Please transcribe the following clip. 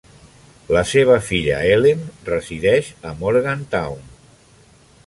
La seva filla Ellen resideix a Morgantown.